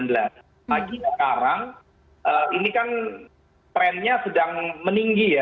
lagi sekarang ini kan trennya sedang meninggi ya